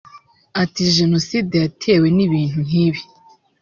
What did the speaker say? Ati “Jenoside yatewe n’ibintu nk’ibi